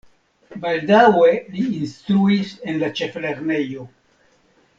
Baldaŭe li instruis en la ĉeflernejo.